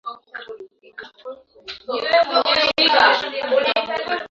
lakini kwa miujiza ya Mwenyezi Mungu akafaulu kutua